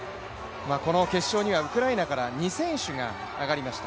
この決勝にはウクライナから２選手が上がりました。